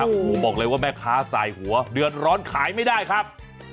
โอ้โหบอกเลยว่าแม่ค้าสายหัวเดือดร้อนขายไม่ได้ครับ